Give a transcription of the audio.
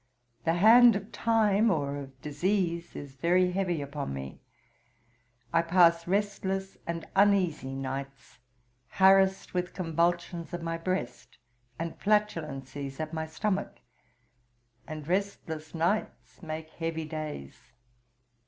The hand of time, or of disease, is very heavy upon me. I pass restless and uneasy nights, harassed with convulsions of my breast, and flatulencies at my stomach; and restless nights make heavy days.